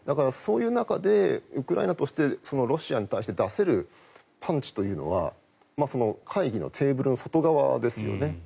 そういう中でウクライナとしてロシアに対して出せるパンチというのは会議のテーブルの外側ですよね。